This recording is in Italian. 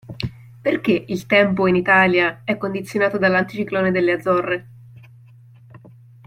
Perché il tempo in Italia e condizionato dall'Anticiclone delle Azzorre?